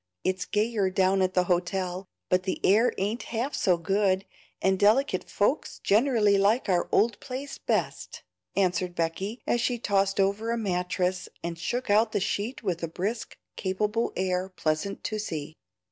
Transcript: It's gayer down at the hotel, but the air ain't half so good, and delicate folks generally like our old place best," answered Becky, as she tossed over a mattress and shook out the sheet with a brisk, capable air pleasant to see.